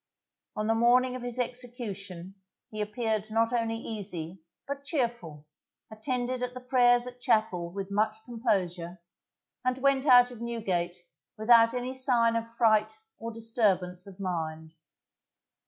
On the morning of his execution he appeared not only easy, but cheerful, attended at the prayers at chapel with much composure, and went out of Newgate without any sign of fright or disturbance of mind.